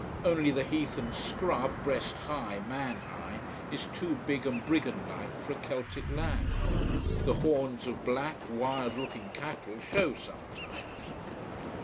Only the heath and scrub, breast high, man high, is too big and brigand like for a Celtic land. The horns of black, wild looking cattle show sometimes.